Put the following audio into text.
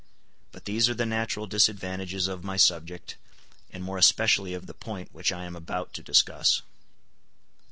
But these are the natural disadvantages of my subject, and more especially of the point which I am about to discuss.